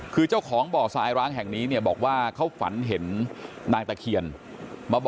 คือเจ้าของเบาะสายร้างแห่งนี้บอกว่าเขาฝันเห็นนางลักษณะ